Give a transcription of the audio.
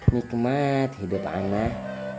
nikmat hidup aneh